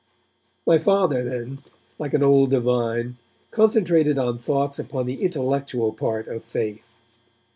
My Father, then, like an old divine, concentrated on thoughts upon the intellectual part of faith.